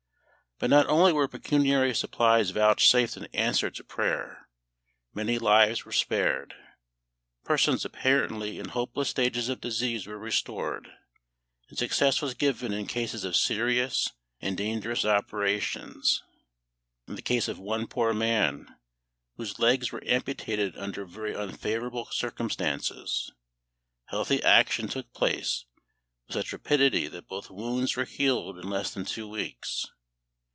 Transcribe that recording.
But not only were pecuniary supplies vouchsafed in answer to prayer many lives were spared; persons apparently in hopeless stages of disease were restored, and success was given in cases of serious and dangerous operations. In the case of one poor man, whose legs were amputated under very unfavourable circumstances, healthy action took place with such rapidity that both wounds were healed in less than two weeks.